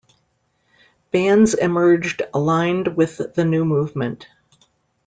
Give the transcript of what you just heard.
Bands emerged aligned with the new movement.